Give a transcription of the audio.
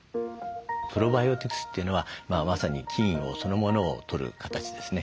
プロバイオティクスというのはまさに菌をそのものをとる形ですね。